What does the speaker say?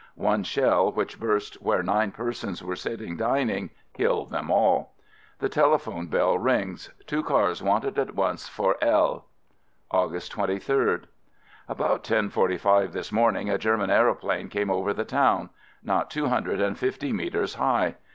One shell which burst where nine persons were sit ting dining killed them all. The telephone bell rings — two cars wanted at once for L . August 23d. About 10.45 this morning a German aeroplane came over the town — not two hundred and fifty metres high.